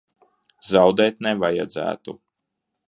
Zaudēt nevajadzētu.